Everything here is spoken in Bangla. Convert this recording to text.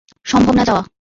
সম্ভব না যাওয়া!